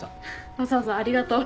わざわざありがとう。